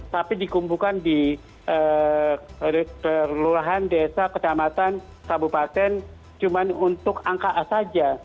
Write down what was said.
tapi dikumpulkan di perurahan desa kecamatan kabupaten cuma untuk angka a saja